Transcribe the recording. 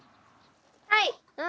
はい。